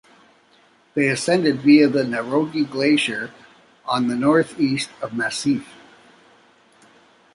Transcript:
They ascended via the Niroghi glacier on the northeast of the massif.